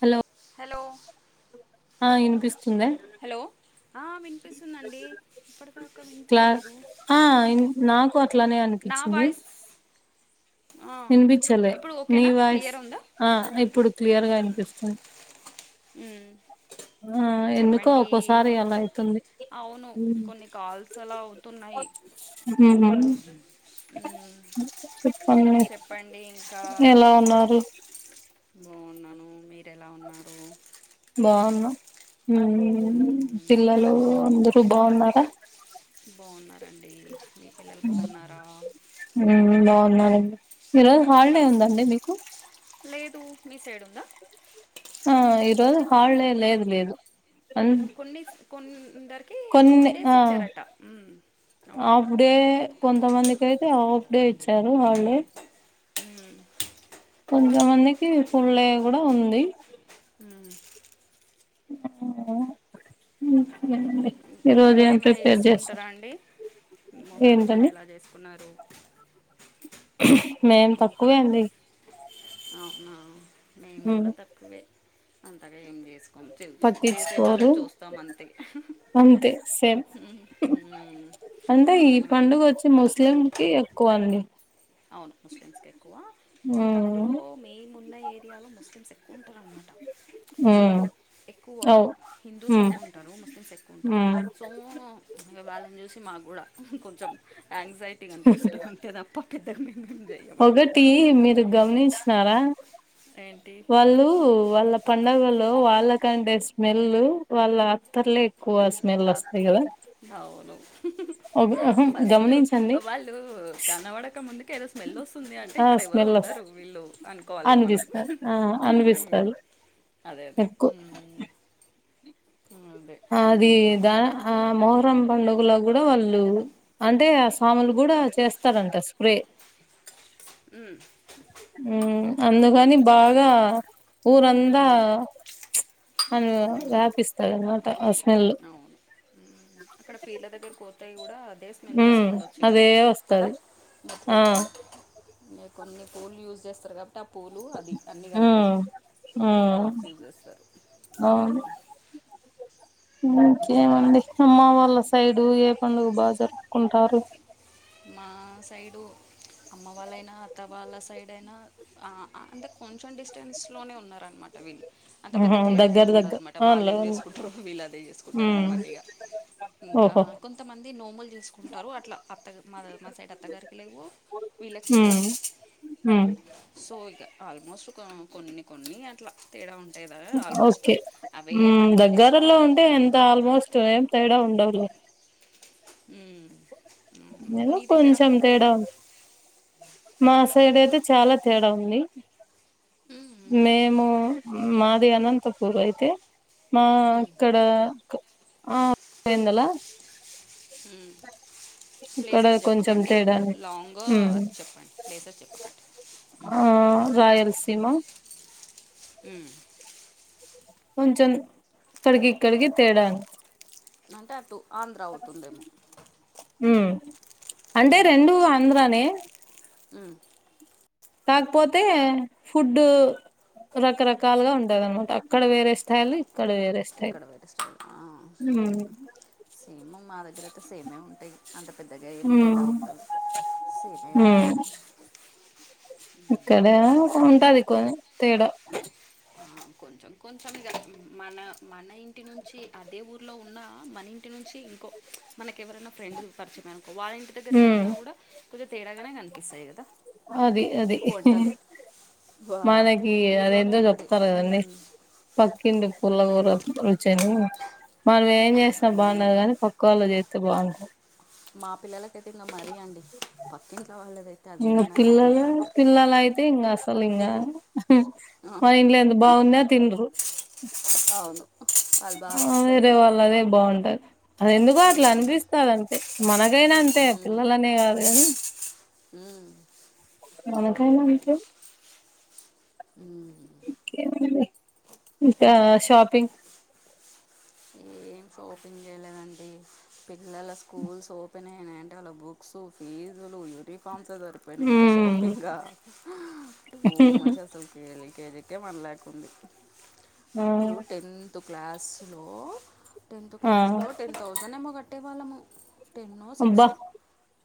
Hello hello! ఆ ఇన్పిస్తుందా? Hello ఆ విన్పిస్తుందండి. క్లా ఆ నాకు అట్లానే నా అనిపిచ్చింది. వాయిస్ ఆ వినిపిచ్చలే ఇప్పుడు నీ ఓకేనా వాయిస్ క్లియర్ ఉందా ఆ ఇప్పుడు క్లియర్గా ఇన్పిస్త మ్ ఎందుకో చెప్పండీ ఒక్కోసారి అలా అయితుంది అవును కొన్ని కాల్స్ అలా అవుతున్నాయ్ అవునా ఉమ్ చెప్పండి. చెప్పండి ఇంకా ఎలా ఉన్నారు బాగున్నాను మీరెలా ఉన్నారు? బాగున్న మ్ ఉమ్ పిల్లలు అందరూ బాగున్నారా? బాగున్నారు ఉమ్ బాగున్నారండి ఈ రోజు హాలిడే వేస్ ఉందండి మీకు లేదు మీ సైడ్ ఉందా ఆ ఈ రోజు హాలీడే లేదు లేదు అ కొన్ని కొందరికి టూ కొన్ని ఆ డేస్ ఇచ్చారట అవునట హాఫ్ డే కొంతమందికి అయితే హాఫ్ డే ఇచ్చారు హాల్ డే ఉ కొంతమందికి పుల్ యే కూడా ఉంది ఉ ఉమ్ మీరేమైనా చేసుకుంటారా అండి మొహరం మీరు ఎలా చేసుకున్నారు మేము తక్కువే మొహరం అండి అవునా మేం కూడా తక్కువే అంతగా ఏం చేసు చేసే పట్టించుకోరు వాళ్ళని చూస్తాం అంతే అంతే సేమ్ మ్మ్. మ్మ్. అంటే ఈ మనమే పండుగ వచ్చి ముస్లింకి ఎక్కువ అండి అవును ముస్లిమ్స్ ఎక్కువ ఇంకా అందులో మేము ఉన్న ఏరియాలో ముస్లిమ్స్ ఎ చుట్టూ ఎక్కువగా ఒక అవు హిందూస్ తక్కువ ఉంటారు ముస్లిమ్స్ ఎక్కువ ఉంటారు సో ఇ వాళ్ళని చూసి మాగూడా కొంచెం యాంగ్జైటీగా కనిపిస్తది అంతే తప్ప పెద్దగా మేము ఏం చెయ్యమన్నమాట ఒకటి మీరు గమనించినరా ఏంటి వాళ్ళు వాళ్ళ పండగలో వాళ్ళ కంటే స్మెల్ వాళ్ళ అత్తర్లే ఏ అ అవును ఆహా ఫస్ట్ గమనించండి వాళ్ళు కనవడక ముందుకి ఏదో స్మెల్ వస్తుంది అంటే ఆ ఇక్కడ ఎవరో స్మెల్ వస్ ఉన్నారు వీళ్ళు అనుకోవాలిగా మనం అనిపిస్తది ఆ అనిపిస్తరు అదే అదే ఎక్కు ఉమ్, అదే ఆ అది ఉమ్, దా ఆ మొహరం పండుగలో కూడా వాళ్ళు అంతే ఆ సాములు కూడా చేస్తారంట స్ప్రే ఉ ఉ అందుకని బాగా ఊరందా ఉమ్, అను ఉమ్. వ్యాపిస్తాదనమాట అవును అక్కడ పీర్లదగ్గరికి కోత్తయి దే స్మెల్లు మ్మ్ వస్తుండొచ్చు ఇగ అదే కదా వస్తది మొత్తం ఆ మీరు కొన్ని పూలు యూస్ చేస్తారు కాబట్టి ఆ పూలు అది అన్నీ కలిపి హ్మ్ హ్మ్ ఫ్లవర్స్ యూజ్ చేస్తారు ఊమ్ అవును ఇంకేమండి అమ్మ వాళ్ళ సైడు ఏ పండుగ బాగ జరుపుకుంటారు మా సైడు అమ్మ వాళ్ళయినా అత్త వాళ్ళ సైడ్ అయినా ఆ ఆ కొ సోషల్ డిస్టెన్స్ లోనే ఉన్నారనమాట వీళ్ళు అంత పెద్ద ఆహా తేడా దగ్గర ఏమి ఉండదన్నమాట వాళ్ళేం చేసుకుంటరో వీళ్ళదే ఉ ఇంకా కొంతమంది నోములు చేసుకుంటారు అట్లా అత్తగ మా మా సైడ్ అత్తగారికి లేవు వీళ్ళకి లేవు హ్మ్ హ్మ్ సో ఇక ఆల్మోస్ట్ కొన్ని కొన్ని అట్ల తేడా ఉం ఓకే ఉమ్ పండుగలు దగ్గరలో చేసుకుంటారు ఉంటే ఎంత ఆల్మోస్ట్ ఏం తేడా ఉండవులే ఉ ఏదో కొంచెం తేడా మా సైడ్ అయితే చాలా తేడా ఉంది ఉమ్. మేము మాది అనంతపూర్ అయితే మా ఇక్కడ ఆ పోందలా మ్ ప్లేసెస్ కొంచెం చెప్పకండి తేడానే లాంగ్ అది చెప్పండి ప్లేసెస్ చెప్పకండి ఆ రాయలసీమ మ్మ్ కొంచం కడిగి కడిగి తేడా అంటే అటు ఆంధ్ర అవుతుందేమో ఉమ్ అంటే మ్మ్. రెండు ఆంధ్రానే మ్మ్ కాకపోతే ఫుడ్డు రకరకాలుగా ఉంటదనమాట అక్కడ వేరే స్టైల్ ఇక్కడ వేరే స్టైల్ ఇక్కడ పెరుస్త ఆ ఉమ్ సేమ్ మా దగ్గర అయితే సేమే ఉంటాయి అంత పెద్దగా ఏమి ఉమ్ తేడా ఉండదు సెమీ ఉమ్ ఉంటది ఇక్కడ బ ఉంటాది కొ తేడా కొంచం కొంచం మన మన ఇంటి నుంచి అదే ఊర్లో ఉన్న మన ఇంటి నుంచి ఇంకో మనక ఎవరైనా ఫ్రెండ్ పరిచమ వాళ్ళ ఇంటి దగ్గరికి ఉమ్ వెళ్ళినా కూడా కొంచెం తేడాగానే కనిపిస్తాయి కదా అదే అదే వంటలు మానకి అద ఎందు చాప్ప ఉమ్మ్ పక్కీంటి పుల్ల కూర రుచి అయినా మనం ఏం చేస్తా బాగుండదు అవునండి కాగానీ పక్క వాళ్ళు చేస్తే బాగుంటది మా పిల్లలకైతే ఇంకా మరీ అండి పక్కిం కావాలి ఇకా పిల్లలు పిల్లలు అయితే ఇంకా అసలు ఇంకా ఆ, మన ఇంట్లో ఎంత బాగున్నా తిండ్రు అవును వాళ్ళు బాగా ఆ వేరే చేస్తారు వాళ్ళ అదే బాగుంటది అది ఎందుకు అట్లా అనిపిస్తందింతే మనకైనా అంతే మ్మ్. పిల్లలనే కా అనీ మ్మ్ మనకైనా అంతే ఉమ్మ్ ఇంకేం అండి ఇకా షాపింగ్ ఏం షఓపింగ్ చేయలేదండి పిల్లల స్కూల్ ఓపెన్ అయనా అంటే వాళ్ళ బుక్స్ సు ఫీజులు యూనిఫార్మ్స్ ఇదే సరిపోయింది ఇంకా మ్మ్ షాపింగ్ గా ఈమధ్య అసలుకి వెళి కేజీకే వన్ ల్యాక్ ఉంది ఆ అప్పుడు టెంత్ క్లాసులో టెన్త్ ఆ క్లాస్లో టెన్ థౌజండ్ ఏమో కట్టేవాళ్ళము టెన్ అబ్బా సిక్స్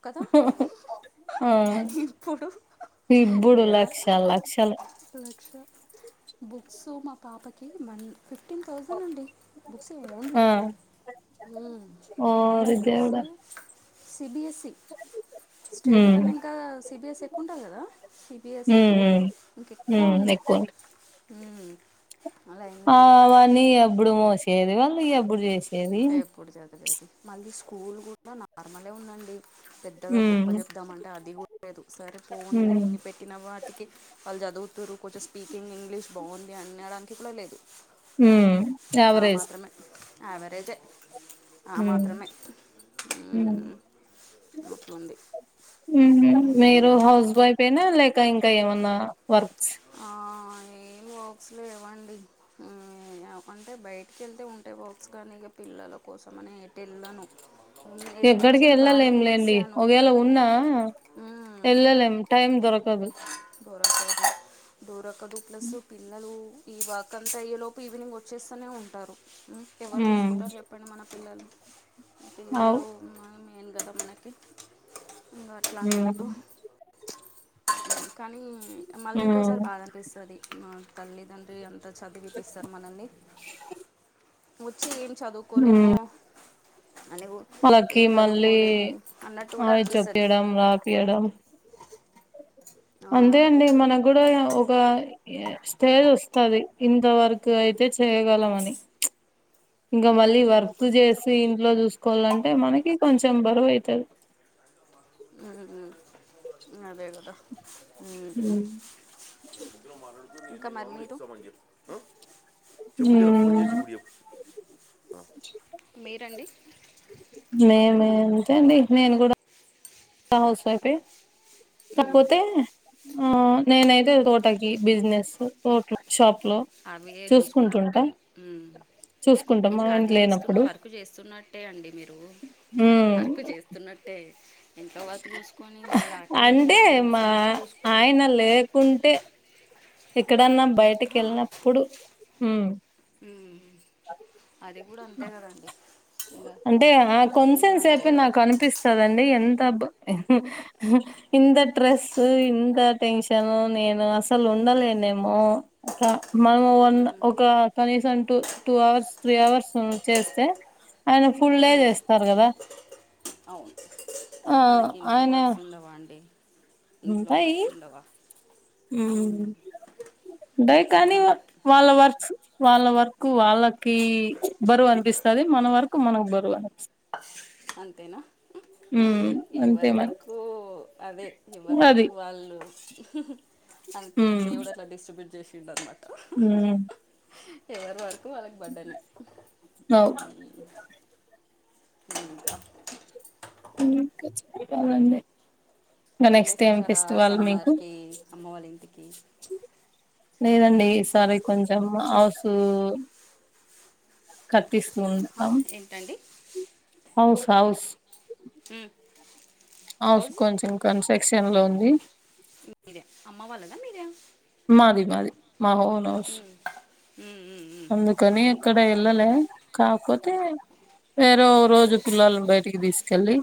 కదా ఆ ఇప్పుడు ఇప్పుడు ఏడ లక్షల్ లక్షలు లక్ష బుక్స్ మా పాపకి మన్ ఫిఫ్టీన్ థౌజండ్ అండి బుక్స్ ఓన్లీ ఆ ఓరి ఓన్లీ బుక్స్ దేవుడా సిబిఎస్ఈ స్టేట్ ఉమ్ కన్నా ఇంకా సిబిఎస్ ఎక్కువ ఉంటాది కదా సిబిఎస్ఈ ఉమ్ కి ఉమ్ ఇంకెక్కువ ఉమ్ ఉన్నాయి ఎక్కువ మ్ అవన్నీ ఎప్పుడు మోసేది వాళ్ళు ఎప్పుడు చేసేది ది స్కూల్ కూడా నార్మలే ఉందండి పెద్దగా గొప్ప ఉమ్ చెప్దాంటే అది కూడా లేదు సరే ఫోన్లు ఉమ్ ఎన్ని పెట్టినావో ఆటికి వాళ్ళు చదువు దురు కొంచెం స్పీకింగ్ ఇంగ్లీష్ బావుంది అనడానికి కూడా లేదు. మ్ ఎవరేజ్ ఆవరేజే ఆ ఉమ్ మాత్రమే ఉమ్ మ్ ఉహు మీరు హౌస్వైపేనా లే ఇంక ఇంక ఎవన్న వర్క్స్ బుక్స్లు ఇవ్వండి ఉ ఇవ్వకుంటే బయటికి వెళ్తే ఉంటాయి బుక్స్ కానీ ఇంగ పిల్లల కోసం మన ఎయిర్టెల్ల్లోను ఎక్కడికి వెళ్ళాలేం లేండి ఒకవేళ ఉన్నా ఎల్లలేం టైం దొరకదు కూర వండు డూరొక్కదు ప్లస్ పిల్లలు ఈ వాకంతా అయ్యేలోపు ఈవినింగ్ వచ్చేస్తూనే ఉంటారు. ఉ ఎవరు ఉమ్ చూసుకుంటారు చెప్పండి మన పిల్లల్ని అవు పిల్లలు మా మెయిన్ కదా మనకి ఇంగ అట్లా ఉమ్ అన్నట్టు కానీ మళ్ళీ ఇంకోసారి ఉమ్ బాధ అనిపిస్తది మా తల్లిదండ్రి అం అ చదివిపిస్తారు మనల్ని వచ్చి ఏం ఉమ్ చదువుకోలేమో అని కూ- వాళ్ళకి ఏం మళ్ళీ చదువుకోలేము అన్నట్టు కూడా ఆవి అనిపిస్తుంది చొప్పయడం, రాపియడం ఆ, అంతే అండి మన గూడా ఏ అ ఓ ఒక ఎ స్టేజ్ వస్తది ఇంత వరకు అయితే చేయగలం అని ఇంకా మళ్ళీ వర్క్ చేసి ఇంట్లో చూసు కోలంటే మనకి కొంచెం బరువు అయితది. ఆ అదే కదా మ్ మ్మ్ ఇంకా మరి మీరు ఉ చెప్పు జరా ఫోన్ చేసి ఇప్పుడు చెప్పు అ మీరండి మేమే అంతే అండి నేను కూడా హౌస్ వైఫే కాపోతే ఆ నేనైతే తోటకి బిజినెస్ తోటలు షాప్ లో అవి ఏ చూసుకుంటరు చూసుకుంటుంటా ఏమో ఉమ్ చూసుకుంటాం మా ఇంకా ఆయన అది చేస్తున్న లేనప్పుడు వర్కు చేస్తున్నట్టే అండి మీరు మ్మ్ వర్క్ చేస్తున్నట్టే అయింది ఎంతవరకు చూసుకొని మళ్ళీ అటు అంటే వెళ్ళి మా బిజినెస్ చూసుకుంట ఆయన లేకుంటే ఎక్కడన్నా బయటకి వెళ్ళినప్పుడు ఉమ్ ఆ అది అది కూడా అంతే కదండి ఇంగా అంటే ఆ అది కొంచెం కూడా అంతే కదా తబ్ ఇహ్ హ్ ఇంత స్ట్రెస్ ఇంత టెన్షన్ నేను అసలు ఉండలేనేమో క మనము వన్ ఒక కనీసం two two hours, three hours ఉ చేస్తే ఆయన ఫుల్ డే చేస్తారు కదా అవును ఆ కానీ మనకి ఇంట్లో ఆయన వర్క్స్ ఉండవా అండి, ఇంట్లో వర్క్స్ ఉండవా? మ్ డై ఇక కానీ అట్లా. వాళ్ళ వర్క్స్ వాళ్ళ వర్క్ వాళ్ళకి బరువు అనిపిస్తది మన వర్క్ మనకు బరువు అనిపిస్ అంతేనా మ్ అంతే ఎవరి మరి వరకు అదే ఎవరి అది వర్క్ వాళ్ళు అందుకే దేవుడు అట్ల డిస్ట్రిబ్యూట్ చేస్ మ్ ఎవ రి వర్క్ వాళ్ళకి బర్డ్డనే అవు కదండీ వెళ్ళేసోచ్చరా సమ్మర్కి అమ్మ వాళ్ళ ఇంటికి లేదండి ఈసారి కొంచెం హౌస్ క ట్టిస్తు హా, ఉంటాం ఏంటండి హౌస్ హౌస్ మ్ హౌస్ కొంచెం కన్స్టక్షన్ లో ఉంది మీదే అమ్మ వాళ్ళద మీద మాది మాది మా ఒన్ హౌస్ ఉమ్, ఉమ్, ఉమ్, అందుకనే ఎక్కడ ఎళ్లలే కాకపోతే వేరే రోజు పిల్లల్ని బయటికి తీసుకెళ్ళి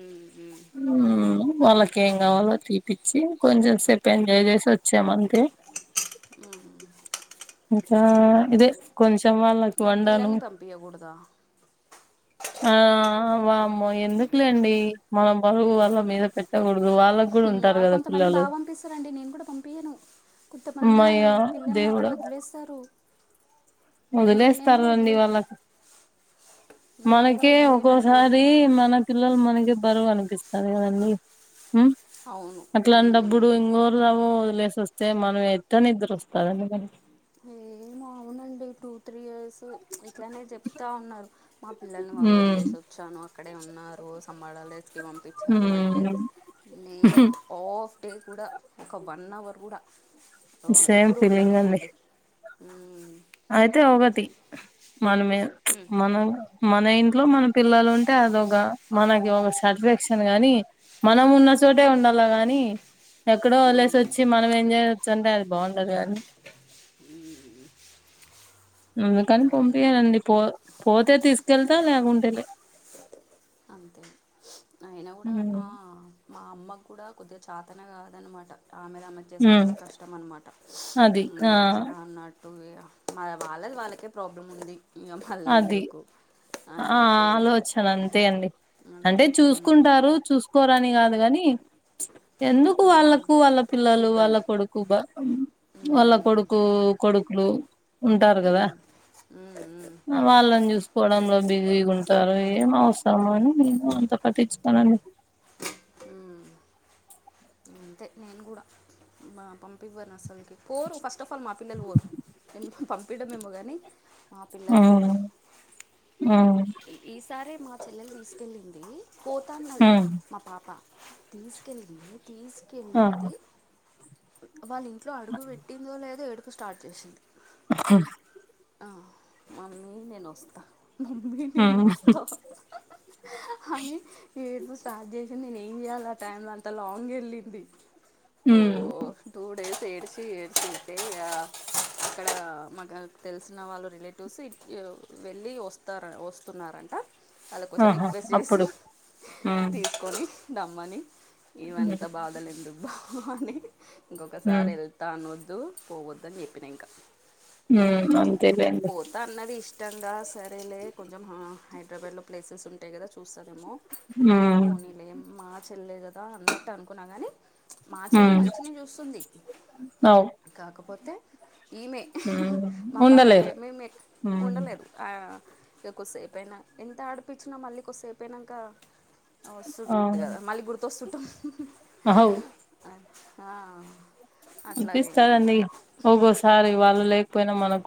ఉమ్, ఉమ్. మ్ వాళ్ళకేం కావాళొ తీ ఇప్పించి కొంచెం సేపు ఎంజాయ్ చేసి వచ్చామంతే మ్ హు ఆ ఇదే కొంచ్ మరి పిల్లల్ని పంపియకూడదా ఆ వామ్మో ఎందుకులేండి మన బరువు వల్ల మీద పెట్టకూ ఆ కొంతమంది బాగా పంపిస్తారండి నేను కూడా పంపియను కొంతమంది అమ్మయ్య పిల్లల్ని అక్కడ వదిలేస్తారు నేను నేను కూడా వదిలేస్తారండి వదిలే వాళ్ళక్ నేను కూడా మనకే వదిలేనండి ఒక్కోసారి మన పిల్లలు మన బరువనిపిస్తారు కదండి మ్ అవును మ్మ్. అట్లాపుడు ఇంగోరము వదిలేసోస్తే మనమ్ ఎట్ల నిద్రోస్తాదండి మ్ అవునండి టూ త్రీ ఇయర్స్ మ్ ఇట్లానే చెప్తా ఉన్నారు మా పిల్లల్ని ఉమ్ వదిలేసి వచ్చాను అక్కడే ఉన్నారు అంబడాలేస్కి పంపించారు అంటే ఉమ్ నేను ఆఫ్ టే కూడా ఒక వన్ అవర్ కూడా సేమ్ ఫీలింగ్ అండి ఉ అయితే ఒకటి మనమే మ్మ్. మనం మన ఇంట్లో మనం పిల్లలు ఉంటే అదోక మనకి ఒక సాటిస్ఫాక్షన్ గాని మనం ఉన్న చోటే ఉండాలీ గాని ని ఎక్కడో వదిలేసోచ్చి మనం ఎంజాయ్ చేయోచ్చంటే అది బాగుండదు కని ఉ అందుకని పంపియనండి పో పోతే తీసుకెళ్తా లేకుంటే లే అంతే అయన కూడా ఆ మా అమ్మ కూడా కొద్దిగా చాతన కాదన్నమాట ఆమెదామె ఉమ్ చేసుకోవడమే కష్టం అన్నమాట అది మ్ ఆ అట్లాన్న టు ఇగ వాళ్ళది వాళ్ళకే ప్రాబ్లం ఉంది ఇగ మళ్ళీ అది ఎందుకు ఆ అన్నట్టు ఆలోచన అంతే అంతే అంటే ఉమ్, చూసుకుంటారు చూసుకోరని కాదు కాని ఎందుకు వాళ్ళకు వాళ్ళ పిల్లలు వాళ్ళ ఇబ్బంది కొడుకు బా వాళ్ళ ఉమ్, కొడుకు కొడుకు ఉంటారు కదా ఉమ్, మవాళ్ళని చూసుకోవడంలో బిజీగా ఉంటారు ఏం అవసరము అని నేను అంత పట్టించుకొనున్ అంతే నేను కూడా మా పంపివ్వరు అసలుకి పోరు ఫస్ట్ ఆఫ్ ఆల్ మా పిల్లలు పోరు పంపియడం ఏమో కానీ మా ఆ పిల్లలు ఆ ఈసారే మా చెల్లెలు తీసుకెళ్ళింది పొతాన్నది హ్మ్ మా పాప తీసుకెళ్ళింది ఆహా తీసుకెళ్ళింది వాళ్ళ ఇంట్లో అడుగు పెట్టిందో లేదో ఏడుపు స్టార్ట్ చేసింది ర్ ఆ మమ్మీ నేను వస్తా హ్మ్ నేనోస్త అని ఏడుస్త స్టార్ట్ చేసింది నేను ఏం చేయ్యాల ఆ టైమ్ లో అంత లాంగ్ వెళ్ళింది ఉ ఏడసి ఏడసింటే ఇగ అక్కడ మాకు తెలిసిన వాళ్ళు రిలేటివ్స్ వెళ్ళి వస్తారు వస్ స్తున్నారంట వాళ్ళకోసం ఆహా! రిక్వెస్ట్ చేసి అప్పుడు హ్మ్ తీసుకొని నమ్మని హ్మ్ ఇవంతా బాధలు ఎందుకు బా అని హ్మ్ ఇంకొకసారి వెళ్తాను ద్దు పోవద్దని చెప్పినా ఇంకా హుమ్ అంతేలేండి నిజంగా సరేలే కొంచెం హైదరాబాద్ లో ప్లేసెస్ ఉంటాయి కదా చు చూస్తారేమో హ్మ్ పోనీలే మా చెళ్ళే కదా అన్నట్టు అనుకున్నా కానీ మా చెల్లి హ్మ్ మంచిగనే చూస్తుంది అవు కాకపోతే ఈమె హ్మ్ మా పాపక ఉండలేరు మేమే ఉండలేదు ఆ ఇక కొద్దిసేపుయినా ఎంత ఆడిపించినా మళ్ళీ కొద్దిసేపు అయినాక వస్తుంది ఆ కదా మళ్ళీ గుడితోస్తుంటం అహవ్ అ ఆ అనిపిస్తారండి అట్లాగైందనమాట ఒగోసారి వాళ్ళు లేకపోయినా మనకు